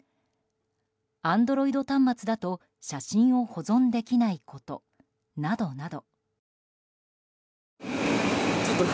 アンドロイド端末だと写真を保存できないことなどなど。